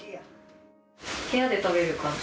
部屋で食べる感じ？